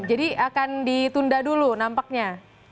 jadi akan ditunda dulu nampaknya